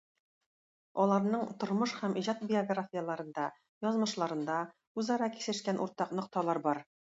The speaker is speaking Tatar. Аларның тормыш һәм иҗат биографияләрендә, язмышларында үзара кисешкән уртак нокталар бар.